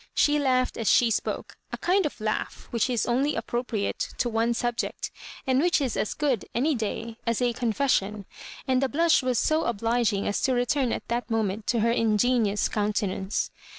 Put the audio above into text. She laughed as she spoke, a kind of laugh which is only appropriate to one subject, and which is as good, any day, as a confession, and the flush was so obligmg as to return at that moment to her ingenuous coun tenance.